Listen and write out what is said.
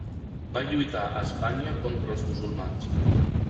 Va lluitar a Espanya contra els musulmans.